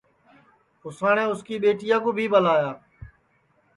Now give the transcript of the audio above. اُساٹؔے اُس کی ٻیٹیا کُو بھی ٻلایا